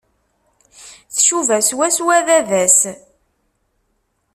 Tcuba swaswa baba-s.